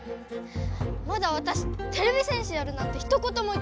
まだわたしてれび戦士やるなんてひと言も言ってないし。